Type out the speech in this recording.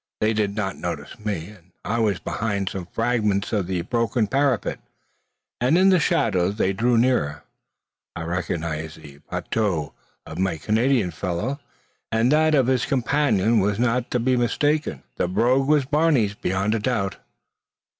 They did not notice me, as I was behind some fragments of the broken parapet, and in the shadow. As they drew nearer, I recognised the patois of my Canadian follower, and that of his companion was not to be mistaken. The brogue was Barney's, beyond a doubt.